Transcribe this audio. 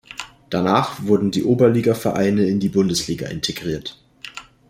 Danach wurden die Oberliga-Vereine in die Bundesliga integriert.